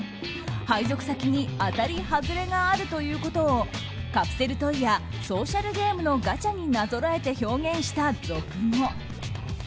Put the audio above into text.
配属先に当たり・はずれがあるということをカプセルトイやソーシャルゲームのガチャになぞらえて表現した俗語。